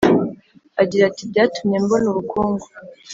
Agira ati byatumye mbona ubukungu